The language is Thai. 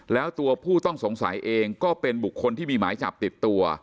แล้วตัวผู้ต้องสงสัยเองก็เป็นบุคคลที่มีหมายจับติดตัว